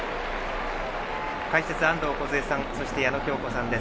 解説、安藤梢さんそして矢野喬子さんです。